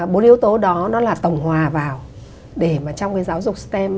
bốn yếu tố đó nó là tổng hòa vào để mà trong cái giáo dục stem